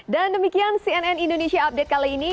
dan demikian cnn indonesia update kali ini